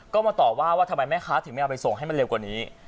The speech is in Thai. ก็มาตอบว่าว่าทำไมแม่ค้าถึงไม่เอาไปส่งให้มันเร็วกว่านี้